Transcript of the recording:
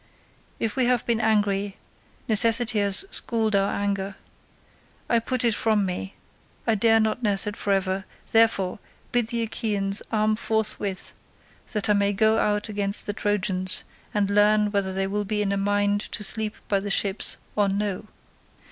If we have been angry, necessity has schooled our anger. I put it from me: I dare not nurse it for ever; therefore, bid the Achaeans arm forthwith that I may go out against the Trojans, and learn whether they will be in a mind to sleep by the ships or no.